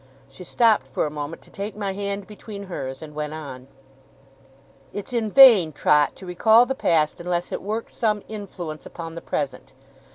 She stopped for a moment to take my hand between hers, and went on: 'It's in vain, Trot, to recall the past, unless it works some influence upon the present.